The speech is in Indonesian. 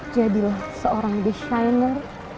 jadilah seorang designer